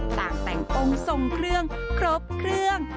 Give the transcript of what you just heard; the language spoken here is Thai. ต่างแต่งองค์ทรงเครื่องครบเครื่อง